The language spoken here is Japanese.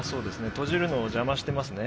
閉じるのを邪魔してますね